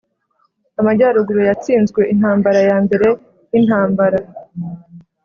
amajyaruguru yatsinzwe intambara yambere yintambara